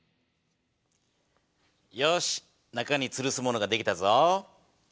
よし中につるすものが出来たぞ。